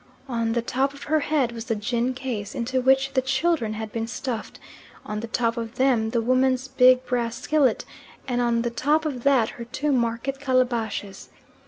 On the top of her head was the gin case, into which the children had been stuffed, on the top of them the woman's big brass skillet, and on the top of that her two market calabashes.